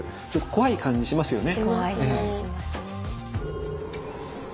怖い感じしますね。